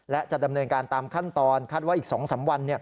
และจะดำเนินการตามขั้นตอนคาดว่าอีก๒๓วัน